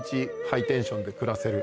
ハイテンションで暮らせる。